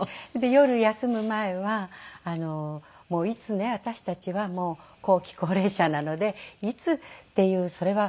夜休む前はもういつね私たちは後期高齢者なのでいつっていうそれは。